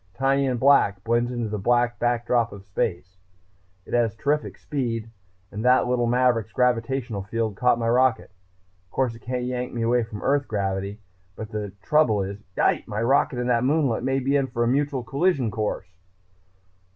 Tiny and black, blends into the black backdrop of space. It has terrific speed. And that little maverick's gravitational field caught my rocket.... Of course it can't yank me away from Earth gravity, but the trouble is yipe! my rocket and that moonlet may be in for a mutual collision course...."